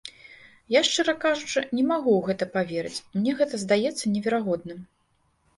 Я, шчыра кажучы, не магу ў гэта паверыць, мне гэта здаецца неверагодным.